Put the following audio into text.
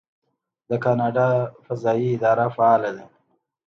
د کاناډا فضایی اداره فعاله ده.